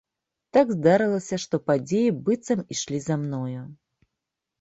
Так здарылася, што падзеі быццам ішлі за мною.